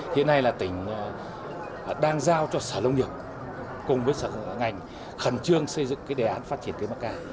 hiện nay là tỉnh đang giao cho xã lông niệm cùng với xã ngành khẩn trương xây dựng đề án phát triển cây macca